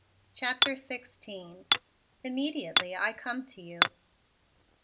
CHAPTER XVI "IMMEDIATELY I COME TO YOU!"